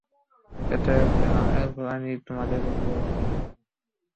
অতএব, এরপর আমি তোমাদের ব্যাপারে আক্ষেপ করব না।